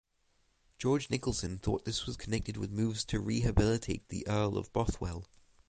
George Nicholson thought this was connected with moves to rehabilitate the Earl of Bothwell.